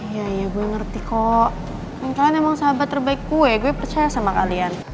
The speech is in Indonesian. iya iya gue ngerti kok kalian emang sahabat terbaik gue gue percaya sama kalian